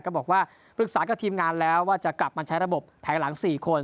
ก็บอกว่าปรึกษากับทีมงานแล้วว่าจะกลับมาใช้ระบบแผงหลัง๔คน